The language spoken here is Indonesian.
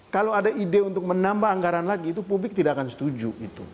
kalau ada ide untuk menambah anggaran lagi itu publik tidak akan setuju